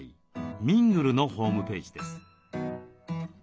「みんぐる」のホームページです。